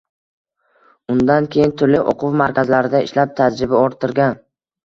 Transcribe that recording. Undan keyin turli o‘quv markazlarida ishlab, tajriba orttirgan.